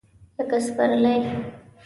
لکه سپرلی !